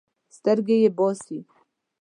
سترګې یې باسي.